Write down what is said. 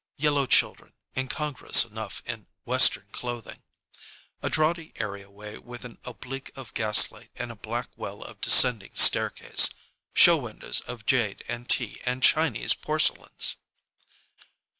Yellow children, incongruous enough in Western clothing. A draughty areaway with an oblique of gaslight and a black well of descending staircase. Show windows of jade and tea and Chinese porcelains.